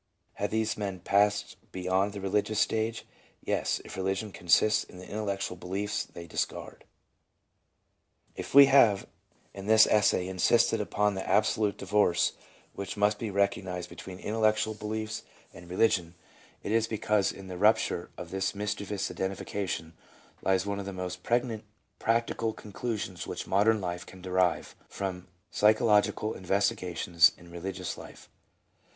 Have these men passed beyond the religious stage? Yes, if religion consists in the intellectual beliefs they discard. If we have in this essay insisted upon the absolute divorce which must be recognized between intellectual beliefs and PSYCHOLOGY OF BELIGIOTJS PHENOMENA. 315 religion, it is because in the rupture of this mischievous identification lies one of the most pregnant practical con clusions which modern life can derive from psychological in vestigations in religious life.